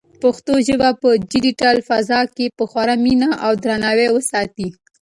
پښتو ژبه په ډیجیټل فضا کې په خورا مینه او درناوي وساتئ.